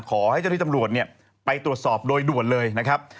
ขอให้เจ้าที่ตำรวจเนี่ยไปตรวจสอบโดยด่วนเลยนะครับ